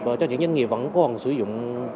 và cho những doanh nghiệp vẫn cố sử dụng